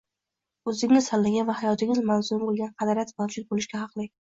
o’zingiz tanlagan va hayotingiz mazmuni bo’lgan qadriyat mavjud bo’lishga haqli